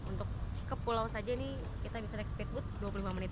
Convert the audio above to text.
untuk ke pulau saja ini kita bisa naik speedboot dua puluh lima menit